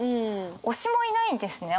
推しもいないんですね。